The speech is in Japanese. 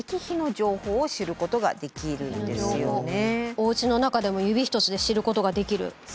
おうちの中でも指一つで知ることができる。